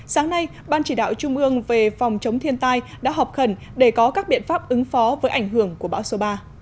sáng nay ban chỉ đạo trung ương về phòng chống thiên tai đã họp khẩn để có các biện pháp ứng phó với ảnh hưởng của bão số ba